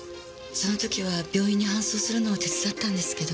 その時は病院に搬送するのを手伝ったんですけど。